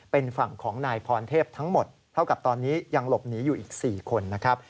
เป็นฝั่งของนายพรเทพทั้งหมดเท่ากับตอนนี้ยังหลบหนีอยู่อีก๔คนนะครับ